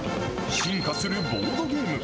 進化するボードゲーム。